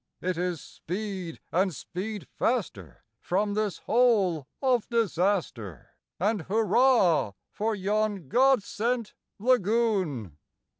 It is "Speed, and speed faster from this hole of disaster! And hurrah for yon God sent lagoon!"